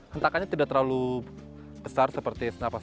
hentakannya tidak terlalu besar seperti senapan ss dua